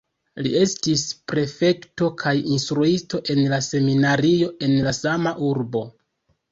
Li estis prefekto kaj instruisto en la seminario en la sama urbo.